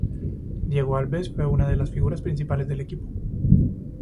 Diego Alves fue una de las figuras principales del equipo.